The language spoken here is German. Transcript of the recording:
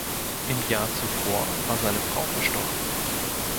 Im Jahr zuvor war seine Frau verstorben.